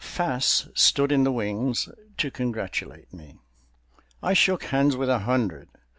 Fass stood in the wings to congratulate me. I shook hands with a hundred.